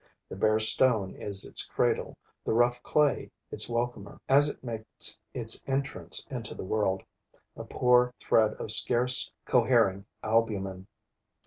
The bare stone is its cradle, the rough clay its welcomer, as it makes its entrance into the world, a poor thread of scarce cohering albumen.